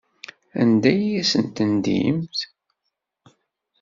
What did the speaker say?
Anda ay asen-tendimt?